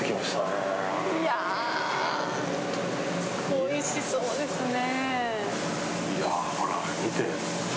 おいしそうですね。